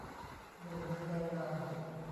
หนึ่งในแกนนำ